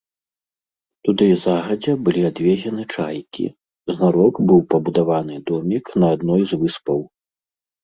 Туды загадзя былі адвезены чайкі, знарок быў пабудаваны домік на адной з выспаў.